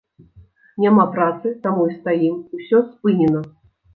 Няма працы, таму і стаім, ўсё спынена.